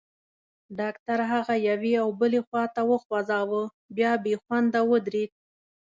ډاکټر هغه یوې او بلې خواته وخوځاوه، بیا بېخونده ودرېد.